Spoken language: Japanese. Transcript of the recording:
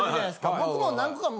僕も。